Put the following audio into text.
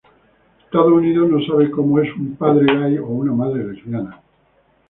Estados Unidos no sabe cómo es un padre gay o una madre lesbiana.